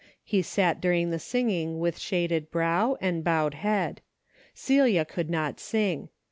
He sat during the singing with shaded brow and bowed head. Celia could not sing.